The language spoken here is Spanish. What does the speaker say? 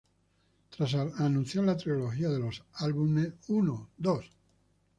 Tras anunciar la trilogía de los álbumes ¡Uno!, ¡Dos!